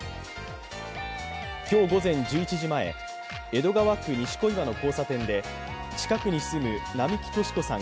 今日午前１１時前、江戸川区西小岩の交差点で近くに住む並木敏子さん